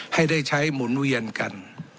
ให้ได้ใช้หมุนเวียนกัน